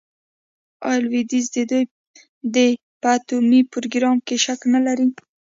آیا لویدیځ د دوی په اټومي پروګرام شک نلري؟